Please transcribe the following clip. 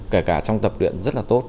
kể cả trong tập luyện rất là tốt